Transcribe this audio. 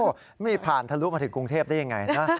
ไม่ผ่านทะลุมาถึงกรุงเทพได้ยังไงนะ